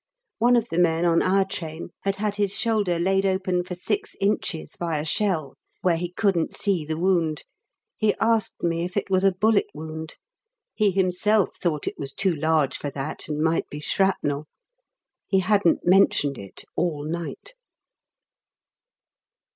One of the men on our train had had his shoulder laid open for six inches by a shell, where he couldn't see the wound. He asked me if it was a bullet wound! He himself thought it was too large for that, and might be shrapnel! He hadn't mentioned it all night.